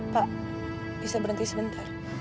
pa bisa berhenti sebentar